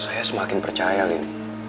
saya semakin percaya lin